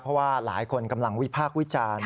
เพราะว่าหลายคนกำลังวิพากษ์วิจารณ์